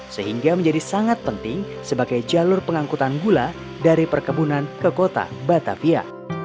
sehingga menjadi sangat penting sebagai jalur pengangkutan gula dari perkebunan ke kota batavia